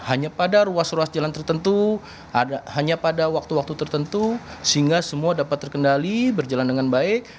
hanya pada ruas ruas jalan tertentu hanya pada waktu waktu tertentu sehingga semua dapat terkendali berjalan dengan baik